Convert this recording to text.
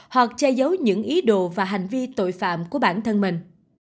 hoặc che giấu những ý đồ và hành vi tội phạm của bản thân mình